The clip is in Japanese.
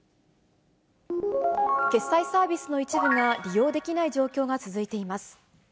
決済サービスの一部が利用できない状況が続いています。